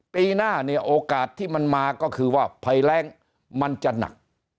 ปีหน้าเนี่ยโอกาสที่มันมาก็คือว่าภัยแรงมันจะหนัก